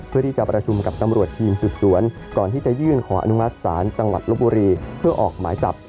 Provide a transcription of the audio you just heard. เพื่อที่จะประชุมกับตำรวจทีมสืบสวนก่อนที่จะยื่นขออนุมัติศาลจังหวัดลบบุรีเพื่อออกหมายจับ